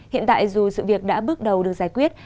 hiện tại dù sự việc đã bước đầu được giải quyết